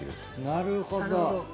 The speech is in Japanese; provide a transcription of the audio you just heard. なるほど。